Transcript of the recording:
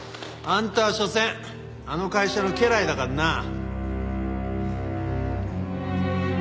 あんたはしょせんあの会社の家来だからな。